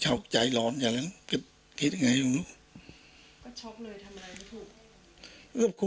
เชียสิดายลูก